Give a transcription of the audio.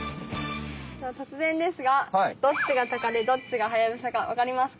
とつぜんですがどっちがタカでどっちがハヤブサかわかりますか？